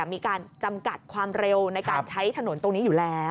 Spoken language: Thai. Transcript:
มีการจำกัดความเร็วในการใช้ถนนตรงนี้อยู่แล้ว